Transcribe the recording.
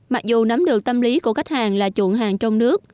mặc dù nắm được tâm lý của khách hàng là chuộng hàng trong nước